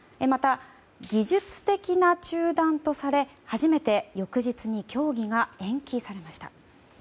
また、技術的な中断とされ初めて翌日に協議が延期されました。